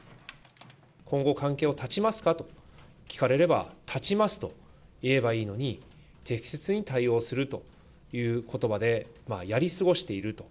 今後関係を絶ちますかと聞かれれば、絶ちますと言えばいいのに、適切に対応するということばで、やり過ごしていると。